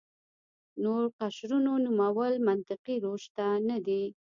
نور قشرونو نومول منطقي روش نه دی.